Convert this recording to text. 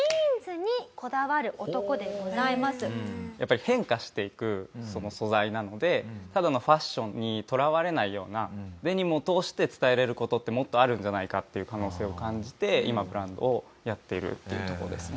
やっぱり変化していく素材なのでただのファッションにとらわれないようなデニムを通して伝えられる事ってもっとあるんじゃないかっていう可能性を感じて今ブランドをやっているというとこですね。